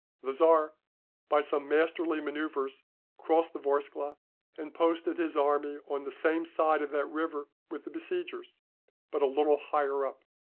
The Czar, by some masterly manoeuvres, crossed the Vorskla, and posted his army on the same side of that river with the besiegers, but a little higher up.